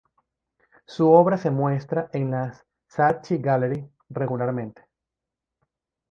Su obra se muestra en la Saatchi Gallery regularmente.